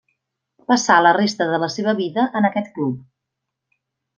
Passà la resta de la seva vida en aquest club.